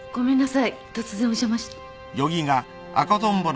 突然お邪魔して。